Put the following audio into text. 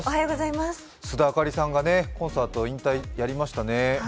須田亜香里さんがコンサートを引退、やりましたね。